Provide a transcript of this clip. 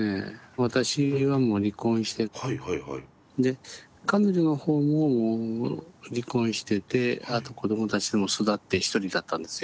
私はもう離婚してで彼女の方も離婚しててあと子どもたちも巣立って独りだったんですよ。